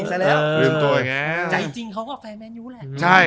ใจจริงเขาก็แฟนแมนยุแหละ